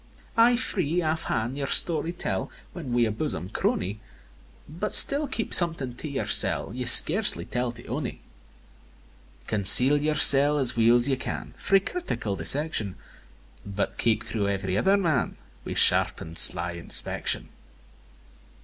V. Ay free, aff han' your story tell, When wi' a bosom crony; But still keep something to yoursel' Ye scarcely tell to ony. Conceal yoursel' as weel's ye can Frae critical dissection; But keek thro' ev'ry other man, Wi' sharpen'd, sly inspection.